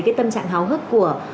cái tâm trạng háo hức của